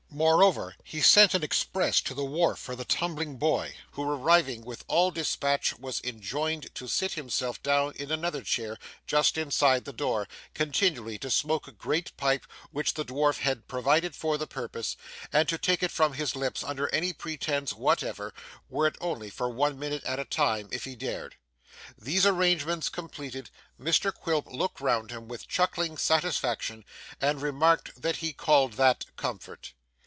Moreover, he sent an express to the wharf for the tumbling boy, who arriving with all despatch was enjoined to sit himself down in another chair just inside the door, continually to smoke a great pipe which the dwarf had provided for the purpose, and to take it from his lips under any pretence whatever, were it only for one minute at a time, if he dared. These arrangements completed, Mr Quilp looked round him with chuckling satisfaction, and remarked that he called that comfort.